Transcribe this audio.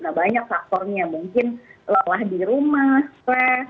nah banyak faktornya mungkin lelah di rumah stres